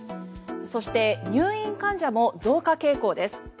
そして入院患者も増加傾向です。